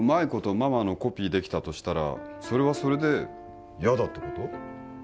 ママのコピーできたとしたらそれはそれでやだってこと？